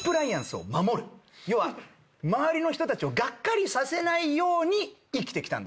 要は周りの人たちをがっかりさせないように生きてきたんですよ。